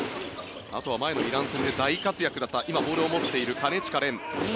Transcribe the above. あとは前のイラン戦で大活躍だった今ボールを持っている金近廉。